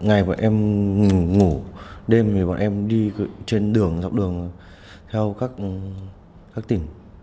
ngày bọn em ngủ đêm thì bọn em đi trên đường dọc đường theo các tỉnh